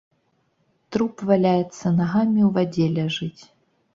Труп валяецца, нагамі ў вадзе ляжыць.